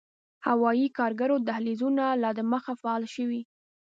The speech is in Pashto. هوايي کارګو دهلېزونه لا دمخه “فعال” شوي